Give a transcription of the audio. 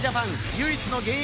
唯一の現役